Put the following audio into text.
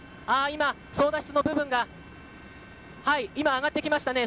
今、操舵室の部分が上がってきましたね。